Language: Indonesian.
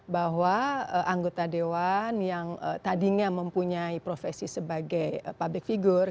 bahwa anggota dewan yang tadinya mempunyai profesi sebagai public figure